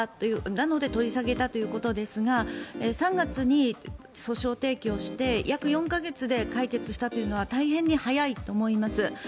なので取り下げたということですが３月に訴訟提起をして約４か月で解決したというのは大変に早いと思います。